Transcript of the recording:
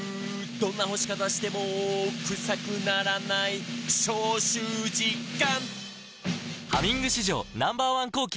「どんな干し方してもクサくならない」「消臭実感！」